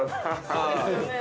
◆そうですよね。